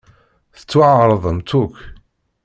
Tettwaɛeṛḍemt akk.